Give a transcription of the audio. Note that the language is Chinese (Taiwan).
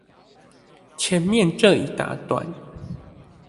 前面這一大段